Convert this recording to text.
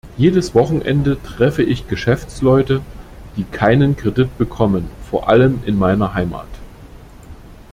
Jedes Wochenende treffe ich Geschäftsleute, die keinen Kredit bekommen, vor allem in meiner Heimat.